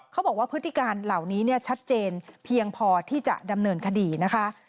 เขาบอกว่าพฤติการเหล่านี้เนี่ยชัดเจนเพียงพอที่จะดำเนินคดีนะคะ